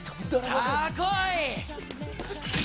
さあ、来い！